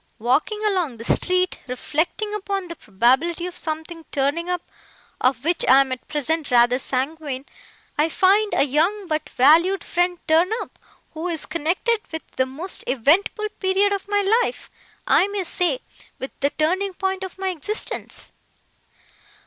Walking along the street, reflecting upon the probability of something turning up (of which I am at present rather sanguine), I find a young but valued friend turn up, who is connected with the most eventful period of my life; I may say, with the turning point of my existence.